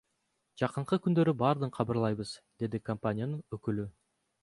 Жакынкы күндөрү бардыгын кабарлайбыз, — деди компаниянын өкүлү.